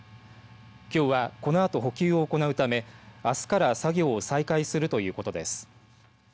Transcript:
きょうはこのあと補給を行うためあすから作業を再開するということです。